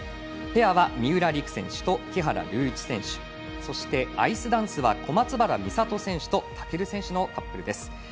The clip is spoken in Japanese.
ペアは三浦璃来選手と木原龍一選手そして、アイスダンスは小松原美里選手と尊選手のカップルです。